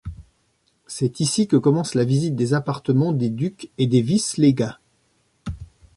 C’est ici que commence la visite des appartements des ducs et des vice-légats.